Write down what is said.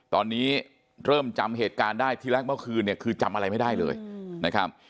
ตอนนี้เริ่มจำเหตุการณ์ได้ที่แรกเมื่อคืนเนี่ยคือจำอะไรไม่ได้เลยนะครับ